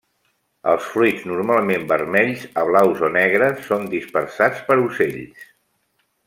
Els fruits normalment vermells a blaus o negres són dispersats per ocells.